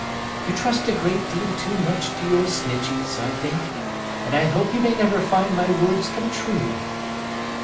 You trust a great deal too much to your Snitcheys, I think, and I hope you may never find my words come true.